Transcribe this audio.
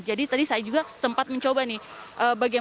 jadi tadi saya juga sempat mencoba nih